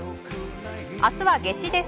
明日は夏至です。